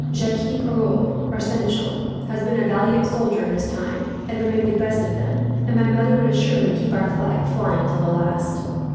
Jacques Parold, our seneschal, has been a valiant soldier in his time, and would make the best of them; and my mother would assuredly keep our flag flying till the last.